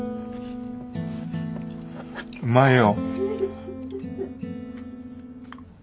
うまいよ。